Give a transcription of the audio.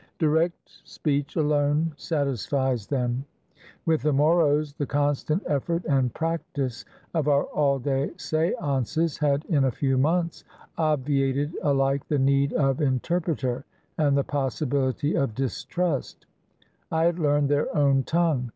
Direct speech alone satisfies them. With the Moros the con stant effort and practice of our all day seances had in a few months obviated alike the need of interpreter and the possibiHty of distrust: I had learned their own tongue.